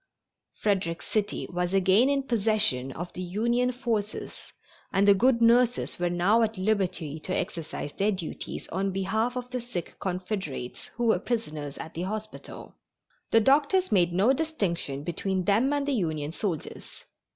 Frederick City was again in possession of the Union forces and the good nurses were now at liberty to exercise their duties in behalf of the sick Confederates who were prisoners at the hospital. The doctors made no distinction between them and the Union soldiers.